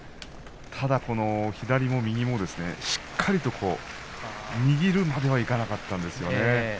ただ左も右もしっかりと握るまではいかなかったんですよね。